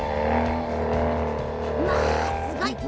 まあすごい！